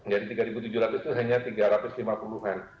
jadi tiga tujuh ratus itu hanya tiga ratus lima puluh an